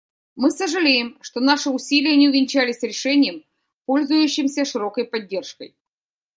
Мы сожалеем, что наши усилия не увенчались решением, пользующимся широкой поддержкой.